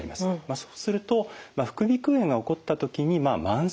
そうすると副鼻腔炎が起こった時に慢性化といってですね